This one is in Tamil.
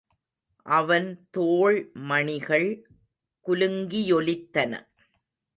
அவன் தோள் மணிகள் குலுங்கியொலித்தன.